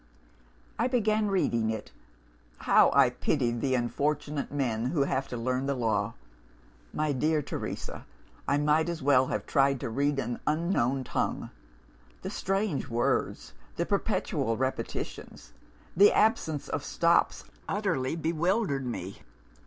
"I began reading it. How I pitied the unfortunate men who have to learn the law! My dear Teresa, I might as well have tried to read an unknown tongue. The strange words, the perpetual repetitions, the absence of stops, utterly bewildered me.